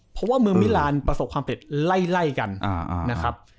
เพราะว่าเมืองมิลานประสบความเร็จไล่กันนะครับ